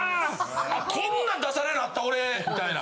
「こんなん出されるようになった俺」みたいな。